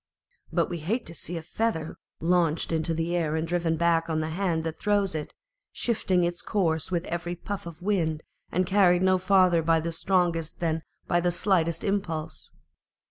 But we hate to see a feather launched into the air and driven back on the hand that throws it, shifting its course with every puff of wind, and carried no farther by the strongest than by the slightest impulse.